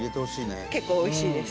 結構おいしいです。